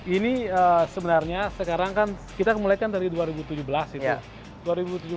ini sebenarnya sekarang kan kita mulai kan dari dua ribu tujuh belas itu